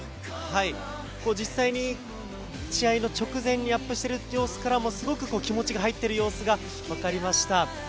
実際に試合の直前にアップしてる様子からすごく気持ちが入っている様子が分かりました。